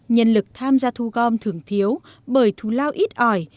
nhân lực tham gia thu gom thường thiếu bởi thù lao ít ỏi